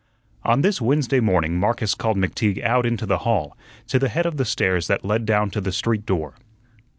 On this Wednesday morning Marcus called McTeague out into the hall, to the head of the stairs that led down to the street door.